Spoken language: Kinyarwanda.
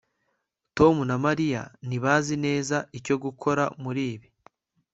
tom na mariya ntibazi neza icyo gukora muri ibi